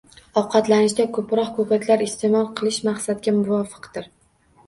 Ovqatlanishda ko‘proq ko‘katlar iste’mol qilish maqsadga muvofiqdir.